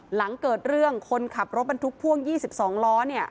หลังเกิดเรื่องคนขับรถบรรทุกพ่วง๒๒ล้อเนี่ย